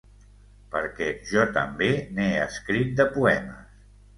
Perquè jo també n'he escrit, de poemes.